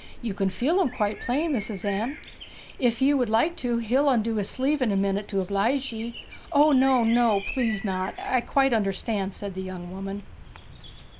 'You can feel 'em quite plain, Mis'ess Anne. If ye would like to, he'll undo his sleeve in a minute to oblege ye?' 'O no, no, please not! I quite understand,' said the young woman.